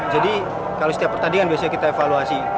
kalau setiap pertandingan biasanya kita evaluasi